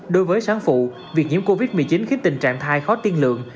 đối với sáng phụ việc nhiễm covid một mươi chín khiến tình trạng thai khó tiên lượng